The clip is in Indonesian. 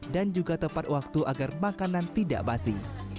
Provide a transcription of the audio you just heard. dan juga tepat waktu agar makanan tidak basi